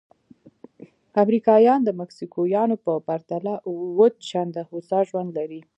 امریکایان د مکسیکویانو په پرتله اووه چنده هوسا ژوند لري.